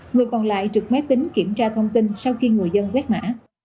người còn lại trực máy tính kiểm tra thông tin sau khi người dân quét mã